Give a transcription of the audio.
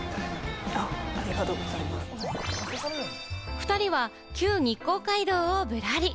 ２人は旧日光街道をぶらり。